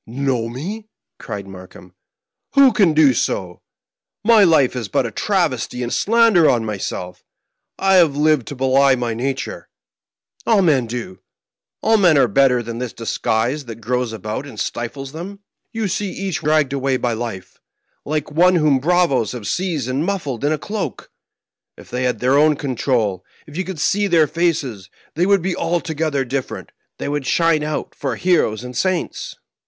"Know me!" cried Markheim; "who can do so? My life is but a travesty and slander on myself. I have lived to belie my nature. All men do ; all men are bet Digitized by VjOOQIC 70 MAR^HEIM. ter than this disguise that grows about and stifles them* You see each dragged away by life, like one whom bravos have seized and muffled in a cloak. If they had their own control — ^if you could see .their faces, they would be altogether different, they would shine out for heroes and saints